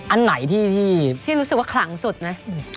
อันไหนที่รู้สึกว่าขลังสุดนะ